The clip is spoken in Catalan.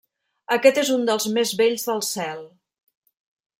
Aquest és un dels més bells del cel.